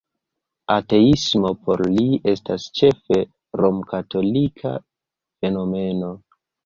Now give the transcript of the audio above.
Ateismo por li estas ĉefe romkatolika fenomeno!